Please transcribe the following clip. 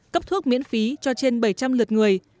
cấp thuốc miễn phí cho trên bảy trăm linh lượt người